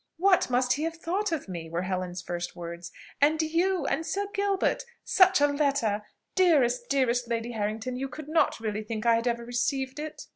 "What must he have thought of me!" were Helen's first words "And you? and Sir Gilbert? Such a letter! Dearest, dearest Lady Harrington, you could not really think I had ever received it!"